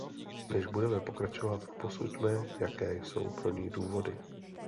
Než budeme pokračovat, posuďme, jaké jsou pro ni důvody.